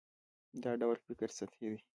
دا ډول فکر سطحي دی.